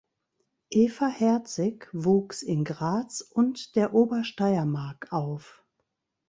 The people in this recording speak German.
Eva Herzig wuchs in Graz und der Obersteiermark auf.